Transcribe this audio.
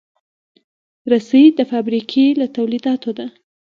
رسۍ د فابریکې له تولیداتو ده.